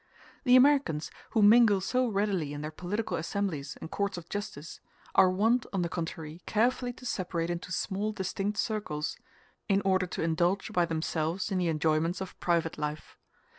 The Americans, who mingle so readily in their political assemblies and courts of justice, are wont on the contrary carefully to separate into small distinct circles, in order to indulge by themselves in the enjoyments of private life.